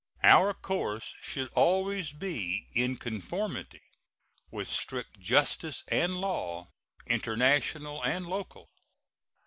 Our course should always be in conformity with strict justice and law, international and local.